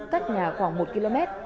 cách nhà khoảng một km